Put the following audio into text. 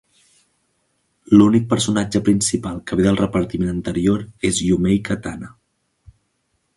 L'únic personatge principal que ve del repartiment anterior és Yumei Katana.